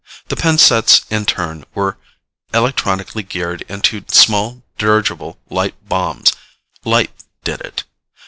The pin sets in turn were electronically geared into small dirigible light bombs. Light did it.